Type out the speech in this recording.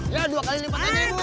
ya dua kali lipat aja ibu